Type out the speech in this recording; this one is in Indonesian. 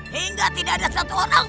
hingga apa lagi perlu datang